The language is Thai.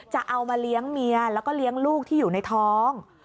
จะเอามาเลี้ยงเมียแล้วก็เลี้ยงลูกที่อยู่ในท้อง